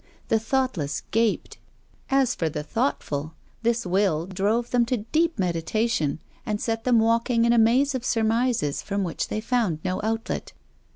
The thoughtless gaped. As for the thour htful, this will drove them to deep meditation, and set them walking in a maze of surmises, from which they found no outlet.